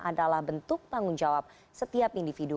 adalah bentuk tanggung jawab setiap individu